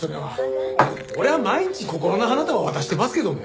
俺は毎日心の花束を渡してますけどね。